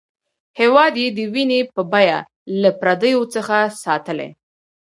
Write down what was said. هېواد یې د وینې په بیه له پردیو څخه ساتلی.